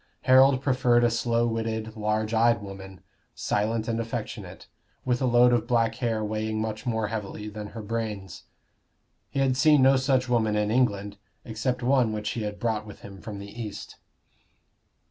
Harold preferred a slow witted large eyed woman, silent and affectionate, with a load of black hair weighing much more heavily than her brains. He had seen no such woman in England, except one which he had brought with him from the East.